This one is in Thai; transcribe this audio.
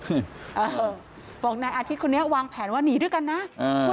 เออบอกนายอาทิตย์คนนี้วางแผนว่าหนีด้วยกันนะอ่าช่วย